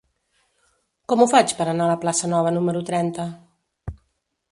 Com ho faig per anar a la plaça Nova número trenta?